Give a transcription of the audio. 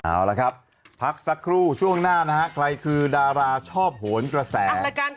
เอาละครับพักสักครู่ช่วงหน้านะฮะใครคือดาราชอบโหนกระแส